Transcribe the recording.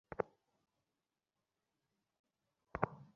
বউয়ের ফটো ছিলো এই কথা আগে ও বলেছেন কত টাকা ছিলো?